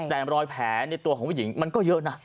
แต่รอยแผลในตัวของผู้หญิงมันก็เยอะนะ